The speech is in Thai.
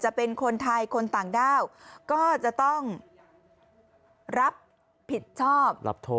จะเป็นคนไทยคนต่างด้าวก็จะต้องรับผิดชอบ